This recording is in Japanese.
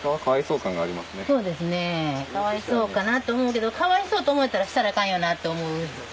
そうですねかわいそうかなと思うけどかわいそうと思うんやったらしたらアカンよなと思うので。